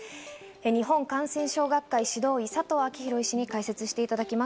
日本感染症学会・指導医、佐藤昭裕医師に解説していただきます。